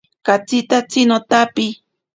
Katsitatsi notapiki.